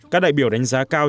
các đại biểu đánh giá cao